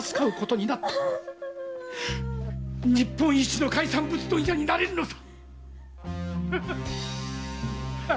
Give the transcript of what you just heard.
日本一の海産物問屋になれるのさ！